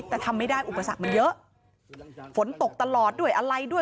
แต่ทำไม่ได้อุปสรรคมันเยอะฝนตกตลอดด้วยอะไรด้วย